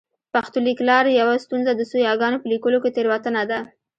پښتو لیکلار یوه ستونزه د څو یاګانو په لیکلو کې تېروتنه ده